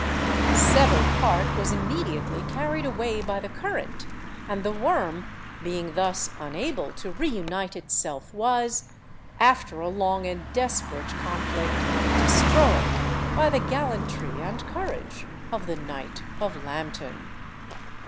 The severed part was immediately carried away by the current, and the worm, being thus unable to reunite itself, was, after a long and desperate conflict, destroyed by the gallantry and courage of the knight of Lambton.